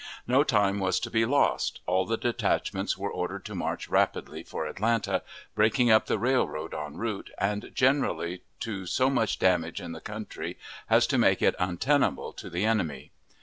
No time was to be lost; all the detachments were ordered to march rapidly for Atlanta, breaking up the railroad en route, and generally to so damage the country as to make it untenable to the enemy.